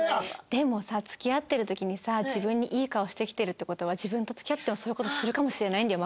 でもさ付き合ってる時にさ自分にいい顔してきてるって事は自分と付き合ってもそういう事するかもしれないんだよ？